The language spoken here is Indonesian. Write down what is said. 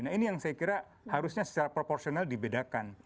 nah ini yang saya kira harusnya secara proporsional dibedakan